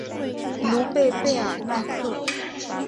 卢贝贝尔纳克。